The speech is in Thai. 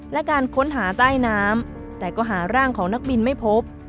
และการค้นหาใต้น้ำแต่ก็หาร่างของนักบินไม่พบ